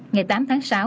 ngày tám tháng sáu